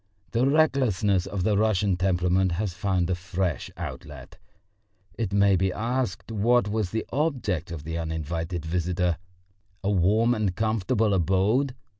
The recklessness of the Russian temperament has found a fresh outlet. It may be asked what was the object of the uninvited visitor? A warm and comfortable abode?